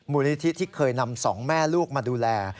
มูลนิธิที่เคยนำสองแม่ลูกมาดูแล